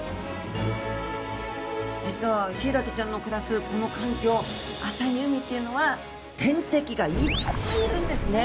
実はヒイラギちゃんの暮らすこの環境浅い海っていうのは天敵がいっぱいいるんですね。